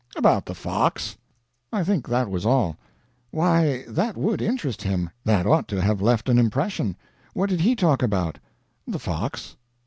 "About the fox. I think that was all." "Why, that would interest him; that ought to have left an impression. What did he talk about?" "The fox."